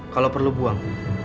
kalau perlu buang